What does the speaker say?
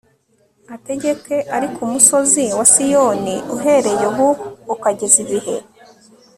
ategeke ari ku musozi wa Siyoni uhereye ubu ukageza ibihe